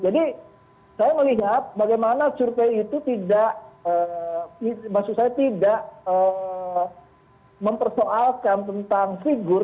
jadi saya melihat bagaimana survey itu tidak maksud saya tidak mempersoalkan tentang figur